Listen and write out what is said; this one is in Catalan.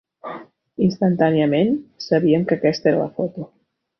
Instantàniament, sabíem que aquesta era la foto.